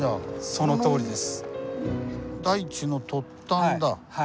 そのとおりです。